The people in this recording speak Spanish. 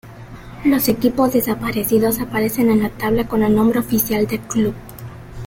Los equipos desaparecidos aparecen en la tabla con el nombre oficial del club.